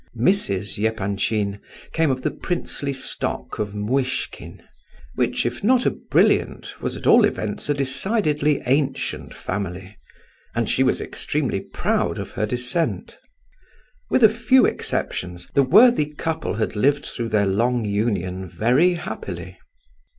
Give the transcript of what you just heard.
Mrs. Epanchin came of the princely stock of Muishkin, which if not a brilliant, was, at all events, a decidedly ancient family; and she was extremely proud of her descent. With a few exceptions, the worthy couple had lived through their long union very happily.